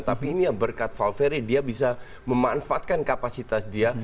tapi ini yang berkat valvery dia bisa memanfaatkan kapasitas dia